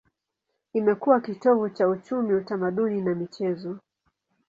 Imekuwa kitovu cha uchumi, utamaduni na michezo.